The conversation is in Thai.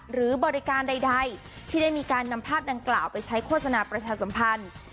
หรือบริการใดที่ได้มีการนำภาพดังกล่าวไปใช้โฆษณาประชาสัมพันธ์